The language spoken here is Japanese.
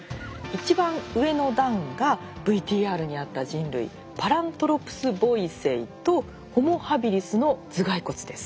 一番上の段がＶＴＲにあった人類パラントロプス・ボイセイとホモ・ハビリスの頭蓋骨です。